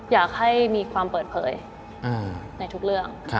อยากให้มีความเปิดเผยในทุกเรื่อง